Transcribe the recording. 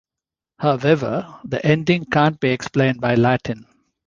However, the ending can't be explained by Latin.